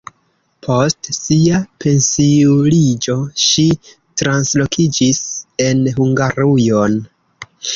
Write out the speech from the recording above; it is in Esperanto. Post sia pensiuliĝo ŝi translokiĝis en Hungarujon.